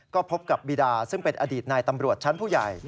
ก็พบกับบีดาซึ่งเป็นอดีตนายตำรวจชั้นผู้ใหญ่